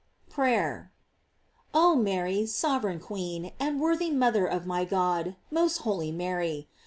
PRAYER. Oh Mary, sovereign queen, and worthy mother of my God, most holy Mary!